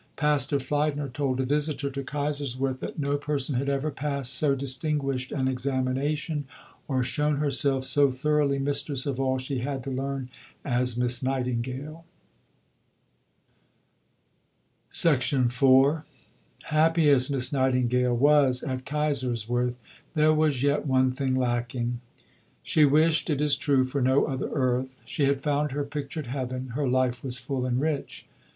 Pastor Fliedner told a visitor to Kaiserswerth that "no person had ever passed so distinguished an examination, or shown herself so thoroughly mistress of all she had to learn, as Miss Nightingale." Mr. Sidney Herbert's speech at the Nightingale Fund Meeting, Nov. 29, 1855. IV Happy as Miss Nightingale was at Kaiserswerth, there was yet one thing lacking. She wished, it is true, for no other earth; she had found her pictured heaven; her life was full and rich.